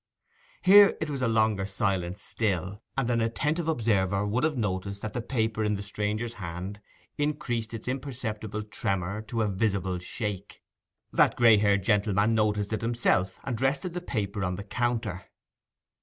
Here it was a longer silence still; and an attentive observer would have noticed that the paper in the stranger's hand increased its imperceptible tremor to a visible shake. That gray haired gentleman noticed it himself, and rested the paper on the counter.